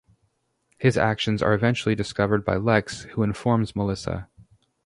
His actions are eventually discovered by Lex who informs Melissa.